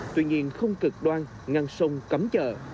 tuy nhiên không cực đoan ngăn sông cấm chợ